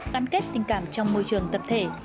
căn kết tình cảm trong môi trường tập thể